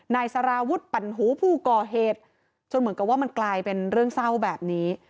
นายสารวุฒิปั่นหูผู้ก่อเหตุจนเหมือนกับว่ามันกลายเป็นเรื่องเศร้าแบบนี้